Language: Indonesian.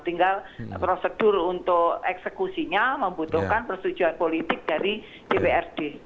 tinggal prosedur untuk eksekusinya membutuhkan persetujuan politik dari dprd